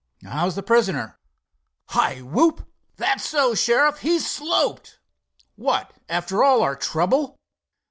"How's the prisoner?" "Hi, whoop! That's so, Sheriff, he's sloped." "What! after all our trouble?"